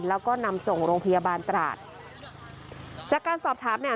แล้วก็นำส่งโรงพยาบาลตราดจากการสอบถามเนี่ย